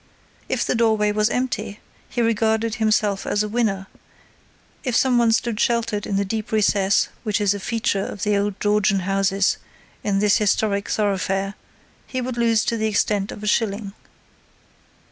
If the doorway was empty he regarded himself as a winner, if some one stood sheltered in the deep recess which is a feature of the old Georgian houses in this historic thoroughfare, he would lose to the extent of a shilling.